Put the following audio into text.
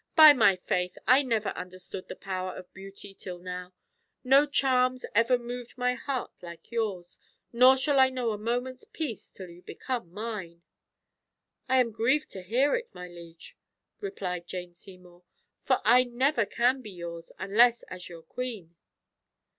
"By my faith! I never understood the power of beauty till now. No charms ever moved my heart like yours; nor shall I know a moment's peace till you become mine." "I am grieved to hear it, my liege," replied Jane Seymour, "for I never can be yours, unless as your queen."